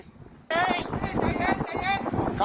เฮ้ใจเย็น